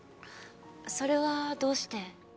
それはどうして？